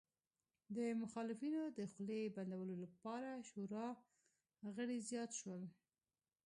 د مخالفینو د خولې بندولو لپاره شورا غړي زیات شول